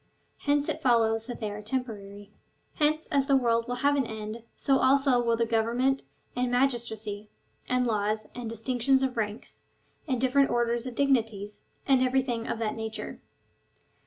Hence it follow^s that they are temporary. Hence as the world will have an end, so also will govern ment, and magistracy, and laws, and distinctions of ranks, and different orders of dignities, and everything of that nature.